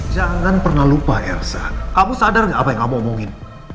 jangan pernah lupa ersa kamu sadar gak apa yang kamu omongin